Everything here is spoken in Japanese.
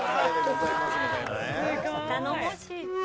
頼もしい。